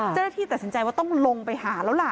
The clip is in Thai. เจ้าหน้าที่ตัดสินใจว่าต้องลงไปหาแล้วล่ะ